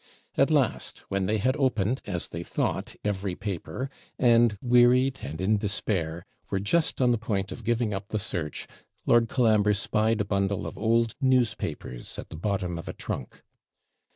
At last, when they had opened, as they thought, every paper, and, wearied and in despair, were just on the point of giving up the search, Lord Colambre spied a bundle of old newspapers at the bottom of a trunk.